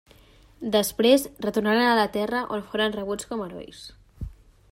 Després retornaren a la Terra on foren rebuts com herois.